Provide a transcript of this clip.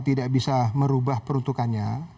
tidak bisa merubah peruntukannya